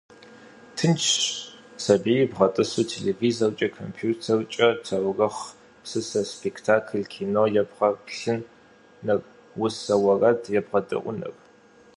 Тыншщ сабийр бгъэтӏысу телевизоркӏэ, компьютеркӏэ таурыхъ, псысэ, спектакль, кино ебгъэплъыныр, усэ, уэрэд ебгъэдэӏуэныр.